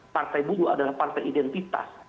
partai buruh adalah partai identitas